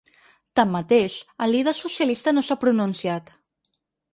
Tanmateix, el líder socialista no s’ha pronunciat.